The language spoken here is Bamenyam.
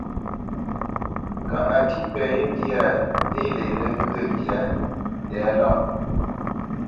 Kâʼ a tí pɛ yé ndyâ, ndě lenə́ ŋgyə̌ nzyéʼ tɛ̌lâʼ.